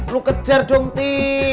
lo kejar dong ti